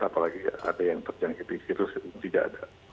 apalagi ada yang terjangkit virus itu tidak ada